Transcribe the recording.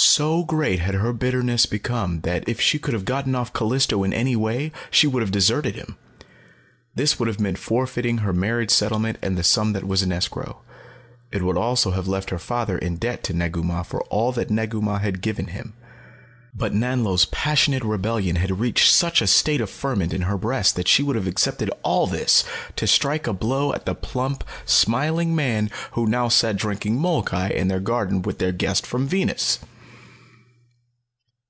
So great had her bitterness become that, if she could have gotten off Callisto in any way, she would have deserted him. This would have meant forfeiting her marriage settlement and the sum that was in escrow. It would also have left her father in debt to Negu Mah for all that Negu Mah had given him. But Nanlo's passionate rebellion had reached such a state of ferment in her breast that she would have accepted all this to strike a blow at the plump, smiling man who now sat drinking molkai in their garden with their guest from Venus.